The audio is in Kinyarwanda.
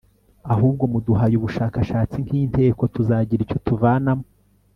ahubwo muduhaye ubushakashatsi nk'inteko tuzagira icyo tuvanamo